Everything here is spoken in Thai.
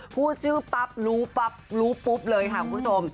พูดชื่อปั๊บรู้ปั๊บรู้ปุ๊บเลยค่ะคุณผู้ชม